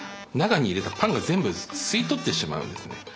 中に入れたパンが全部吸い取ってしまうんですね。